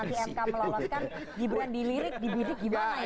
kalau nanti mk meloloskan gibran dilirik dibidik gimana ini